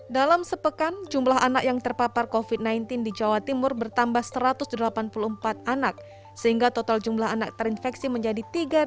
dalam sepekan jumlah anak yang terpapar covid sembilan belas di jawa timur bertambah satu ratus delapan puluh empat anak sehingga total jumlah anak terinfeksi menjadi tiga ratus